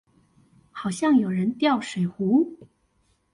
好像有人掉水壺